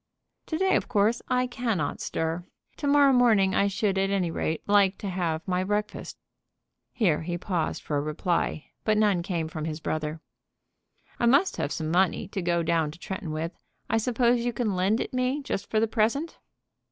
"To day, of course, I cannot stir. To morrow morning I should, at any rate, like to have my breakfast." Here he paused for a reply, but none came from his brother. "I must have some money to go down to Tretton with; I suppose you can lend it me just for the present?"